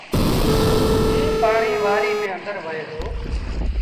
جيٚن پآڻيٚ وآريٚ ميݩ آݩدر وهي دو۔